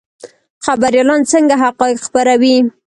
خبریالان څنګه حقایق خپروي؟